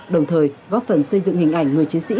đồng thời góp phần xây dựng hình ảnh người chiến sĩ